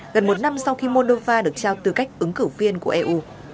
gần một năm sau khi moldova được trao tư cách ứng cử viên của eu